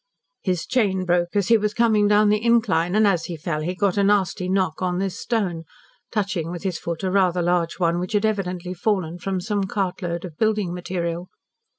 "His chain broke as he was coming down the incline, and as he fell he got a nasty knock on this stone," touching with his foot a rather large one, which had evidently fallen from some cartload of building material.